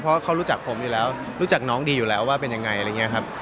เพราะเขารู้จักผมอยู่แล้วรู้จักน้องดีอยู่แล้วว่าเป็นยังไงอะไรอย่างนี้ครับ